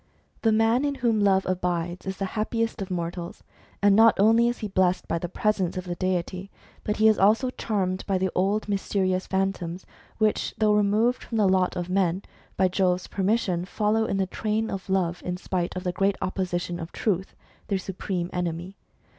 The man in whom Love abides is the happiest of mortals. And not only is he blessed by the presence of the deity, but he is also charmed by the old mysterious Phantoms, which, though removed from the lot of men, by Jove's permission follow in the train of Love, in spite of the great opposition of Truth, their supreme enemy.